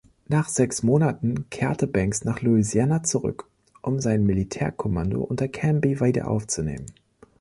Nach sechs Monaten kehrte Banks nach Louisiana zurück, um sein Militärkommando unter Canby wieder aufzunehmen.